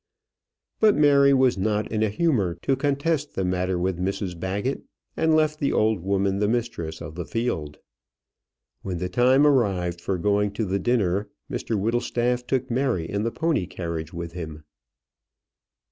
But Mary was not in a humour to contest the matter with Mrs Baggett, and left the old woman the mistress of the field. When the time arrived for going to the dinner, Mr Whittlestaff took Mary in the pony carriage with him.